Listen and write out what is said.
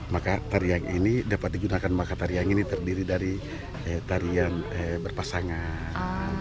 maka tarian ini dapat digunakan maka tarian ini terdiri dari tarian berpasangan